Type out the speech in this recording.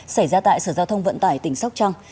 xảy ra tại sở giao thông vận tải tỉnh sóc trăng